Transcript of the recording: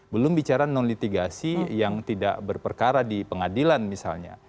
belum bicara non litigasi yang tidak berperkara di pengadilan misalnya